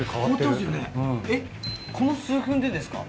えっこの数分でですか。